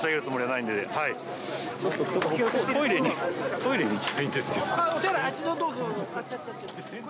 トイレに行きたいんですけど。